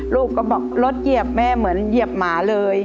ลูกก็บอกรถเหยียบแม่เหมือนเหยียบหมาเลย